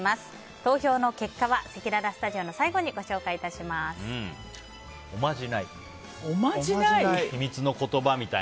投票の結果はせきららスタジオの最後におまじない。